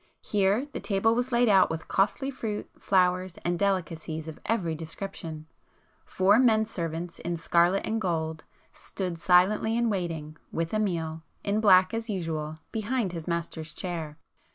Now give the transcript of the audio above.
Here the table was laid out with costly fruit, flowers and delicacies of every description,—four men servants in scarlet and gold stood silently in waiting, with Amiel, in black as usual, behind his master's chair.